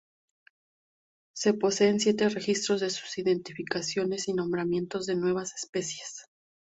Se poseen siete registros de sus identificaciones y nombramientos de nuevas especies.